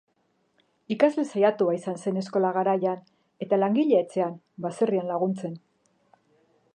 Ikasle saiatua izan zen eskola garaian, eta langilea etxean, baserrian laguntzen.